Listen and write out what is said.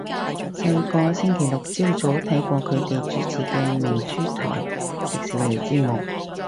細個星期六朝早睇過佢哋主持嘅明珠台迪士尼節目